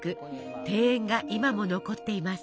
庭園が今も残っています。